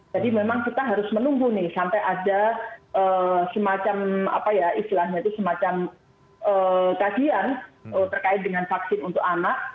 jadi memang kita harus menunggu nih sampai ada semacam kajian terkait dengan vaksin untuk anak